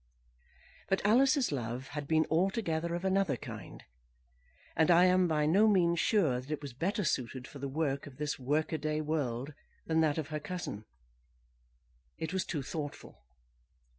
But Alice's love had been altogether of another kind, and I am by no means sure that it was better suited for the work of this work a day world than that of her cousin. It was too thoughtful.